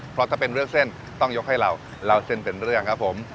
เพราะถ้าเป็นเรื่องเส้นต้องยกให้เราเล่าเส้นเป็นเรื่องครับผม